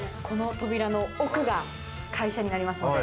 この扉の奥が会社になります。